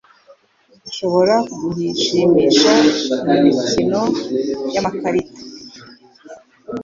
Nshobora kugushimisha mumikino yamakarita?